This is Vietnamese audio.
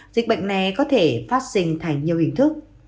dịch bệnh này có thể phát sinh thành nhiều hình thức